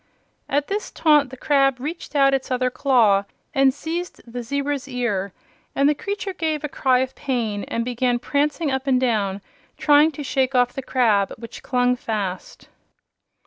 At this taunt the crab reached out its other claw and seized the zebra's ear, and the creature gave a cry of pain and began prancing up and down, trying to shake off the crab, which clung fast.